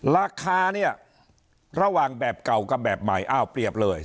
ราคาเนี่ยระหว่างแบบเก่ากับแบบใหม่อ้าวเปรียบเลย